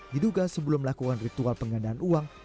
diduga sebelum melakukan ritual penggandaan uang